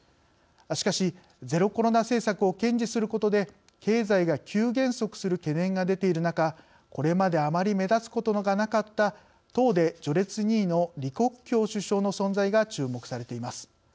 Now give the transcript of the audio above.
しかし、ゼロコロナ政策を堅持することで経済が急減速する懸念が出ている中、これまであまり目立つことがなかった党で序列２位の、李克強首相の存在が注目されています。